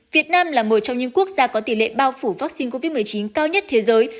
việt nam là một trong những quốc gia có tỷ lệ bao phủ vaccine covid một mươi chín cao nhất thế giới